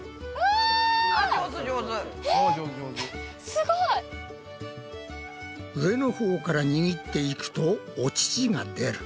すごい！上のほうから握っていくとお乳が出る。